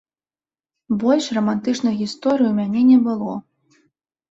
Больш рамантычных гісторый у мяне не было.